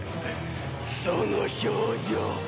その表情。